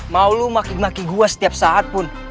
mau lo maki maki gue setiap saat pun